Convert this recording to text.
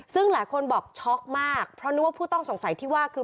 ซึ่งหลายคนบอกช็อกมากเพราะนึกว่าผู้ต้องสงสัยที่ว่าคือ